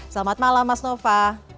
selamat malam mas nova